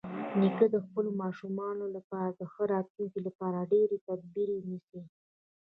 نیکه د خپلو ماشومانو لپاره د ښه راتلونکي لپاره ډېری تدابیر نیسي.